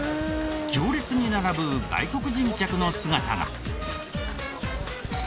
行列に並ぶ外国人客の姿が。